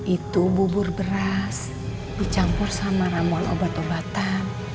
itu bubur beras dicampur sama ramuan obat obatan